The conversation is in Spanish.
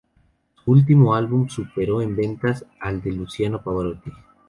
Su último álbum superó en ventas al de Luciano Pavarotti.